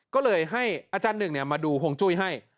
ก็เลยให้อาจารย์หนึ่งมาดูฮวงจุ้ยให้